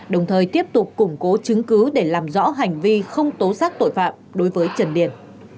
đồng thời tiếp tục củng cố chứng cứ để làm rõ hành vi không tố xác tội phạm đối với trần điền